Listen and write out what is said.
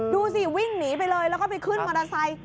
ดูสิวิ่งหนีไปเลยแล้วก็ไปขึ้นมอเตอร์ไซค์